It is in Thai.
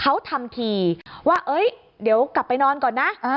เขาทำทีว่าเดี๋ยวกลับไปนอนก่อนนะ